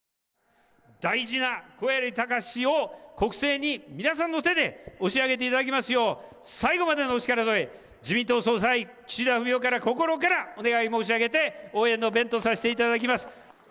大事な小鑓隆史を国政に皆さんの手で押し上げていただきますよう、最後までのお力添え、自民党総裁、岸田文雄から心からお願い申し上げて、応援の弁とさせていただきます。